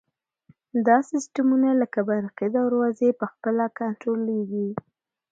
دا سیسټمونه لکه برقي دروازې په خپله کنټرولیږي.